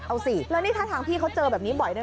เอาสิแล้วนี่ถ้าทางพี่เขาเจอแบบนี้บ่อยด้วยนะ